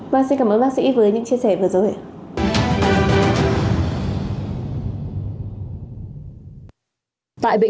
vâng xin cảm ơn bác sĩ với những chia sẻ vừa rồi